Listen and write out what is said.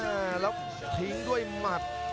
อ้าวแล้วถึงด้วยหมัด